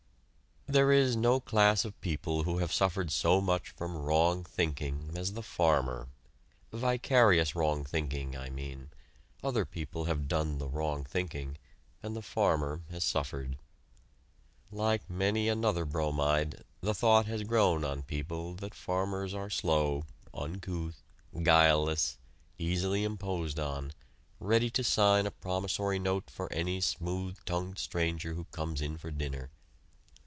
There is no class of people who have suffered so much from wrong thinking as the farmer; vicarious wrong thinking, I mean; other people have done the wrong thinking, and the farmer has suffered. Like many another bromide, the thought has grown on people that farmers are slow, uncouth, guileless, easily imposed on, ready to sign a promissory note for any smooth tongued stranger who comes in for dinner.